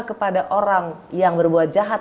kepada orang yang berbuat jahat